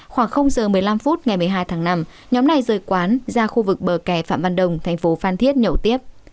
khoảng giờ một mươi năm phút ngày một mươi hai tháng năm nhóm này rời quán ra khu vực bờ kẻ phạm văn đồng thành phố phan thiết nhậu tiếp